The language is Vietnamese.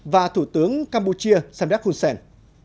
và thủ tướng campuchia samdak hunsen